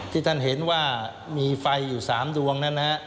ที่ท่านเห็นว่ะมีฟัยอยู่๓ดวง